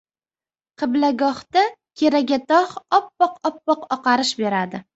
Qiblagohda Keragatog‘ oppoq-oppoq oqarish beradi.